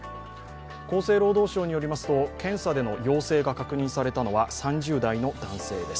厚生労働省によりますと、検査での陽性が確認されたのは３０代の男性です。